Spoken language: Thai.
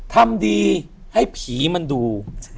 ทำดีให้ผีมันดู